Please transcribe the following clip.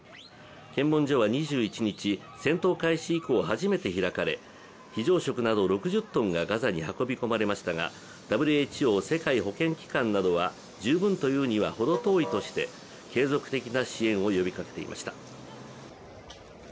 検問所は２１日、戦闘開始以降初めて開かれ、非常食など６０トンがガザに運び込まれましたが、ＷＨＯ＝世界保健機関などは十分と言うにはほど遠いとして継続的な支援を呼びかけていました。